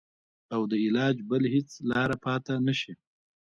او د علاج بله هېڅ لاره پاته نه شي.